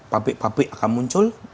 pabrik pabrik akan muncul